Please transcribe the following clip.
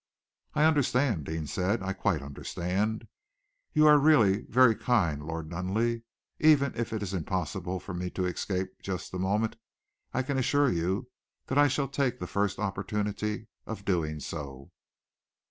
"I understand," Deane said, "I quite understand. You are really very kind, Lord Nunneley! Even if it is impossible for me to escape just for the moment, I can assure you that I shall take the first opportunity of doing so."